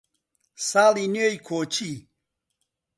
ساڵی نوێی کۆچی